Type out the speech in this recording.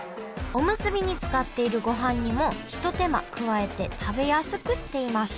おむすびに使っているご飯にもひと手間加えて食べやすくしています。